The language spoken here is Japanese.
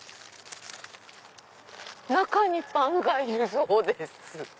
中にパンがいるそうです。